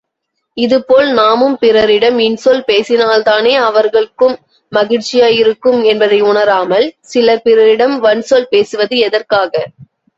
இதுபோல் நாமும் பிறரிடம் இன்சொல் பேசினால்தானே அவர்கட்கும் மகிழ்ச்சியாயிருக்கும் என்பதை உணராமல், சிலர் பிறரிடம் வன்சொல் பேசுவது எதற்காக?